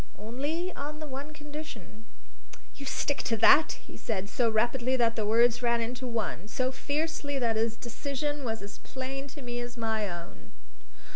"Only on the one condition." "You stick to that?" he said, so rapidly that the words ran into one, so fiercely that his decision was as plain to me as my own.